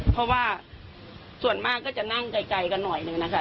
เพราะว่าส่วนมากก็จะนั่งไกลกันหน่อยหนึ่งนะคะ